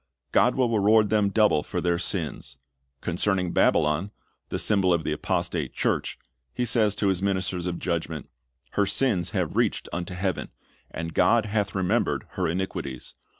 God will reward them double for their sins. Concerning Babylon, the symbol of the apostate church, He says to His ministers of judgment, "Her sins have reached unto heaven, and God hath remembered her iniquities.